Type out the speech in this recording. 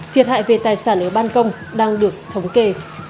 thiệt hại về tài sản ở ban công đang được thống kê